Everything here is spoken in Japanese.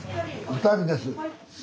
２人です。